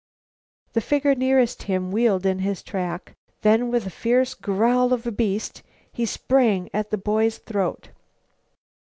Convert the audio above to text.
The figure nearest him wheeled in his track. Then, with the fierce growl of a beast, he sprang at the boy's throat.